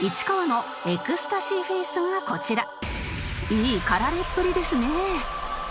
いい駆られっぷりですね